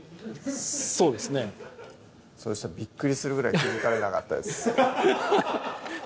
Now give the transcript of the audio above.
そうですねそしたらびっくりするぐらい気付かれなかったです